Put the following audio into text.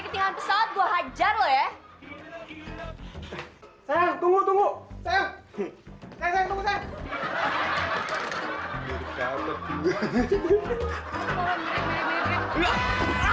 udah jam berapa nih udah telat